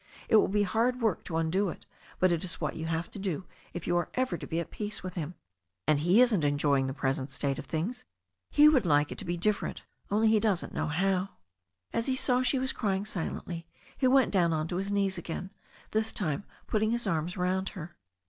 It will be hard work to undo it, but it is what you have to do if you are ever to be at peace with him. And he isn't enjoying the present state of things. He would like it to be different, only he doesn't know how." As he saw she was crying silently he went down on to his knees again, this time putting his arms round her.